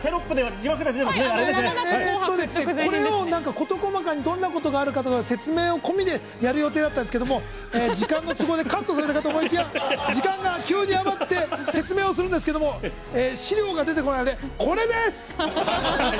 事細かに、全部説明込みでやる予定だったんですけど時間の都合でカットされたかと思いきや時間が急に余って説明をするんですが資料が出てこないのでこれです！